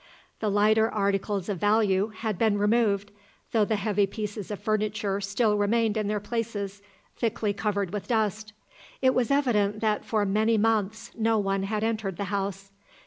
The lighter articles of value had been removed, though the heavy pieces of furniture still remained in their places, thickly covered with dust. It was evident that for many months no one had entered the house.